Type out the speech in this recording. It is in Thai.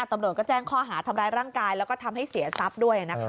ตำรวจก็แจ้งข้อหาทำร้ายร่างกายแล้วก็ทำให้เสียทรัพย์ด้วยนะคะ